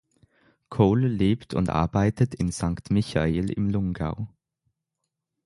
Cole lebt und arbeitet in Sankt Michael im Lungau.